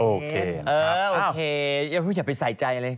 โอเคอย่าไปใส่ใจเลย